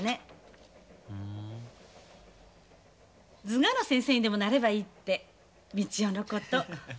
図画の先生にでもなればいいって道雄のこと。